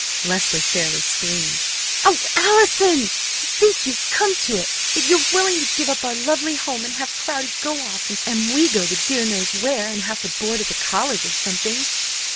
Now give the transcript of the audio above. Leslie fairly screamed. "O Allison! To think you have come to it that you're willing to give up our lovely home, and have Cloudy go off, and we go the dear knows where, and have to board at the college or something."